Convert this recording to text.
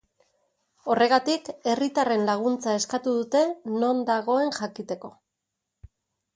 Horregatik, herritarren laguntza eskatu dute non dagoen jakiteko.